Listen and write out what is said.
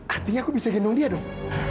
artinya aku bisa gendong dia dong